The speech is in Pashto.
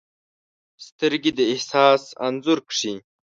سترګې د احساس انځور کښي